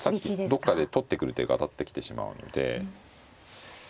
どっかで取ってくる手が当たってきてしまうので。